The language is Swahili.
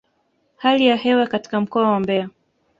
Hali ya hewa katika mkoa wa Mbeya